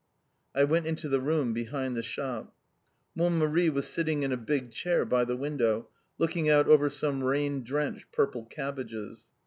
I went into the room behind the shop. Mon Mari was sitting in a big chair by the window, looking out over some rain drenched purple cabbages.